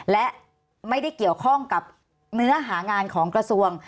และไม่ได้เกี่ยวข้องกับเนื้อหางานของกระทรวง